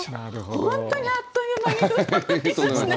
本当にあっという間にととのいますね。